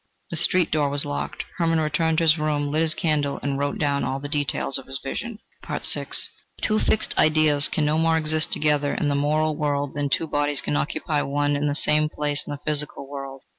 The street door was locked. Hermann returned to his room, lit his candle, and wrote down all the details of his vision. VI Two fixed ideas can no more exist together in the moral world than two bodies can occupy one and the same place in the physical world.